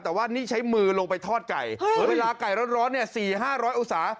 แต่ว่านี่ใช้มือลงไปทอดไก่เวลาไก่ร้อนร้อนเนี่ยสี่ห้าร้อยอุตสาห์